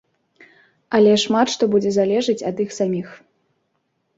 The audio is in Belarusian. Але шмат што будзе залежаць ад іх саміх.